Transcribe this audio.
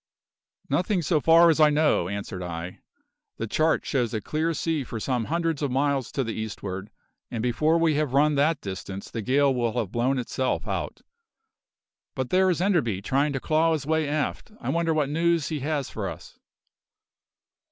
"Nothing, so far as I know," answered I. "The chart shows a clear sea for some hundreds of miles to the eastward; and before we have run that distance the gale will have blown itself out. But there is Enderby trying to claw his way aft. I wonder what news he has for us."